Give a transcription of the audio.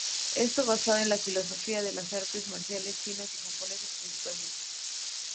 Esto basado en la filosofía de las artes marciales chinas y japonesas principalmente.